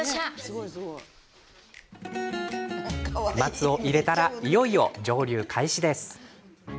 松を入れたらいよいよ蒸留開始。